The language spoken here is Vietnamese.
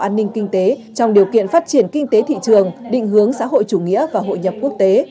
an ninh kinh tế trong điều kiện phát triển kinh tế thị trường định hướng xã hội chủ nghĩa và hội nhập quốc tế